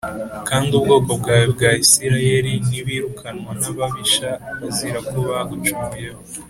“Kandi ubwoko bwawe bwa Isirayeli nibirukanwa n’ababisha bazira ko bagucumuyeho